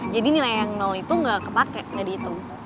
jadi nilai yang itu gak kepake gak dihitung